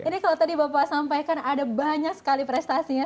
nah saat tadi bapak sampaikan ada banyak sekali prestasinya